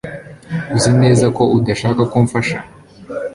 Uzi neza ko udashaka ko mfasha